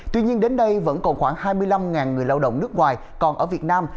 tuy nhiên đến đây vẫn còn khoảng hai mươi năm người lao động nước ngoài còn ở việt nam